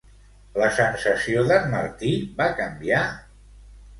La sensació d'en Martí va canviar?